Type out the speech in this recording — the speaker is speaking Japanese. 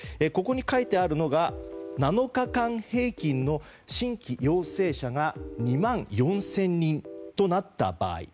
ここに書いてあるのが７日間平均の新規陽性者が２万４０００人となった場合。